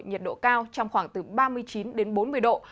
nhiệt độ cao trong khoảng từ ba mươi chín đến bốn mươi độ